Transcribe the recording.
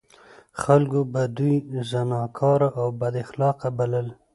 خلکو به دوی زناکار او بد اخلاق بلل.